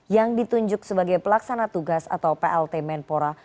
yang ditunjuk sebagai pelaksana tugas atau plt menpora